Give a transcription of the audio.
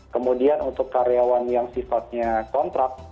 kemudian untuk karyawan yang sifatnya kontrak